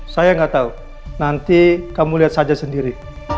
saya gak tau nanti kamu lihat saja sendiri